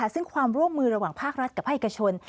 ซึ่งความร่วมมือระหว่างภาครัฐกับภาคเอกชน